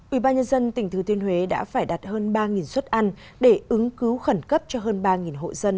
ubnd tỉnh thứ thiên huế đã phải đặt hơn ba suất ăn để ứng cứu khẩn cấp cho hơn ba hội dân